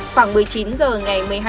khoảng một mươi chín h ngày một mươi năm h